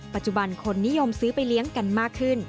ปัจจุบันคนนิยมซื้อไปเลี้ยงกันมากขึ้น